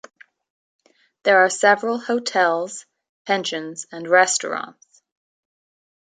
There are several hotels, pensions and restaurants.